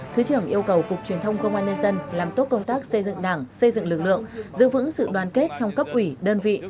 thứ trưởng yêu cầu cục truyền thông công an nhân dân làm tốt công tác xây dựng đảng xây dựng lực lượng giữ vững sự đoàn kết trong cấp ủy đơn vị